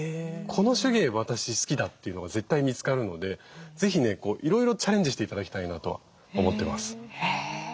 「この手芸私好きだ」っていうのが絶対見つかるので是非ねいろいろチャレンジして頂きたいなとは思ってます。